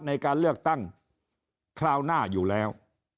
ในการเลือกตั้งคราวหน้าอยู่แล้ว